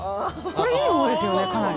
これ、いいほうですよね、かなり。